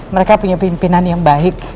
mereka punya pimpinan yang baik